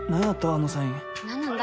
あのサイン何なんだ？